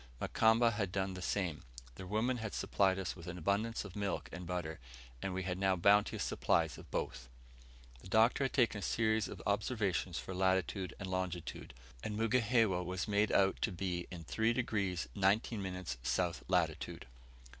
Mukamba had done the same. Their women had supplied us with an abundance of milk and butter, and we had now bounteous supplies of both. The Doctor had taken a series of observations for latitude and longitude; and Mugihewa was made out to be in 3 degrees 19 minutes S. latitude.